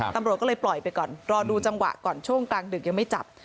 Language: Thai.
ตำรวจก็เลยปล่อยไปก่อนรอดูจังหวะก่อนช่วงกลางดึกยังไม่จับ